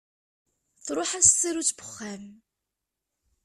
Truḥ-as tsarut n uxxam.